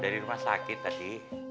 dari rumah sakit tadi